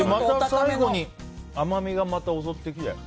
最後に甘みがまた襲ってくる。